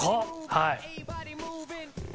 はい。